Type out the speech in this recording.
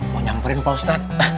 mau nyamperin pak ustadz